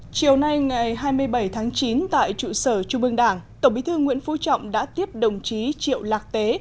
chiều nay ngày hai mươi bảy tháng chín tại trụ sở trung ương đảng tổng bí thư nguyễn phú trọng đã tiếp đồng chí triệu lạc tế